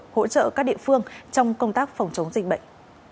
hỗ trợ các địa phương trong công tác phòng chống dịch bệnh